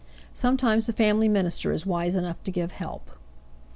Sometimes the family minister is wise enough to give help.